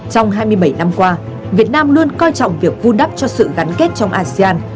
trong hai mươi bảy năm qua việt nam luôn coi trọng việc vun đắp cho sự gắn kết trong asean